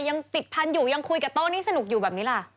ยังติดพันธุ์อยู่ยังคุยกับโต้นี่สนุกอยู่แบบนี้ล่ะ